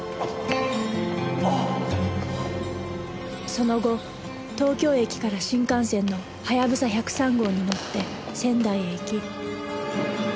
その後東京駅から新幹線のはやぶさ１０３号に乗って仙台へ行き。